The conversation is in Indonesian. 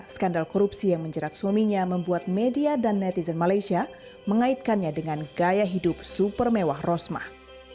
skandal korupsi yang menjerat suaminya membuat media dan netizen malaysia mengaitkannya dengan gaya hidup super mewah rosmah